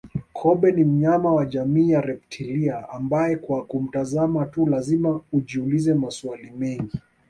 Kobe ni mnyama jamii ya reptilia ambaye kwa kumtazama tu lazima ujiulize maswali mengi